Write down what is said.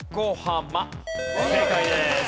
正解です。